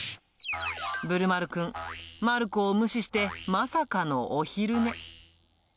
ぶるまるくん、まるこを無視してまさかのお昼寝。